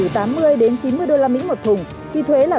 từ tám mươi đến chín mươi đô la mỹ một thùng thì thuế là tám năm